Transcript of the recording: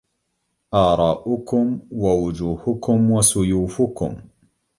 آراؤكم ووجوهكم وسيوفكم